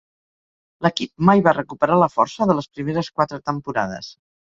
L'equip mai va recuperar la força de les primeres quatre temporades.